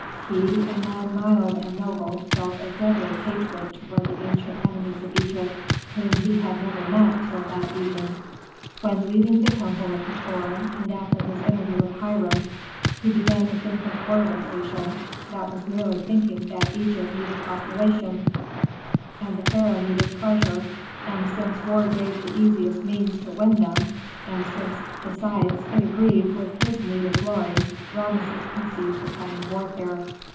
He, a man mild and noble, felt a deadly hatred toward the ancient enemies of Egypt, whom he had never met till that evening. When leaving the temple of Hator, and after his interview with Hiram, he began to think of war with Asia; that was merely thinking that Egypt needed population, and the pharaoh needed treasure; and since war gave the easiest means to win them, and since, besides, it agreed with his need of glory, Rameses conceived the plan of warfare.